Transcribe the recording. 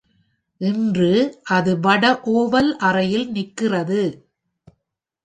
இன்று, அது வட ஓவல் அறையில் நிற்கிறது.